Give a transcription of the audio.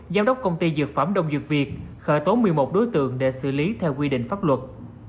giám đốc công ty dược phẩm đông dược việt khởi tố một mươi một đối tượng để xử lý theo quy định pháp luật